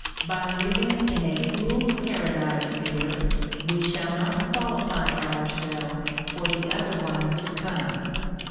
By living in a fool's paradise here, we shall not qualify ourselves for the other one to come.